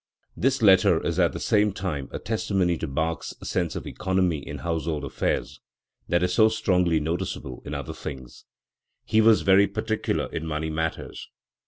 This letter is at the same time a testimony to Bach's sense of economy in household affairs, that is so strongly noticeable in other things. He was very particular in money matters.